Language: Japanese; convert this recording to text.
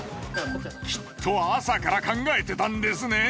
きっと朝から考えてたんですね。